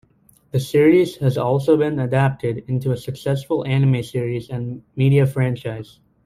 The series has also been adapted into a successful anime series and media franchise.